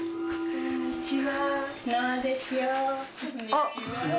こんにちは。